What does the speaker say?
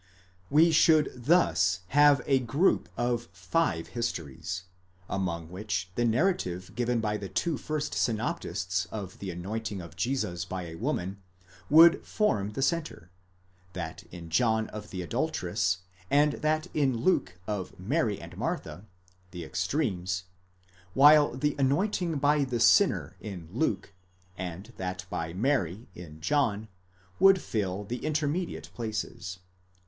We should thus have a group of five histories, among which the narrative given by the two first synoptists of the anointing of Jesus by a woman, would form the centre, that in John of the adulteress, and that in Luke of Mary and Martha, the extremes, while the anointing by the sinner in Luke, and that by Mary. in John, would fill the intermediate places.